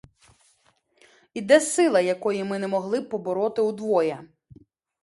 І де сила, якої ми не могли б побороти удвоє?